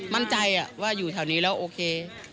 มั่นใจว่าอยู่แถวนี้แล้วโอเค